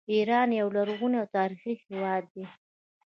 ایران یو لرغونی او تاریخي هیواد دی.